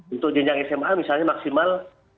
untuk jenjang sma misalnya maksimal delapan belas